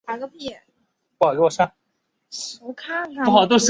其情妇张琰为著名医学专家郑树森与李兰娟的儿媳。